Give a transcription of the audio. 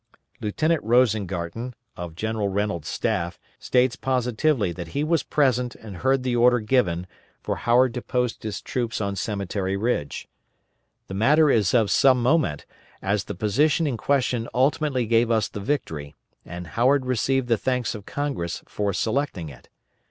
Lieutenant Rosengarten, of General Reynolds' staff, states positively that he was present and heard the order given for Howard to post his troops on Cemetery Ridge. The matter is of some moment, as the position in question ultimately gave us the victory, and Howard received the thanks of Congress for selecting it.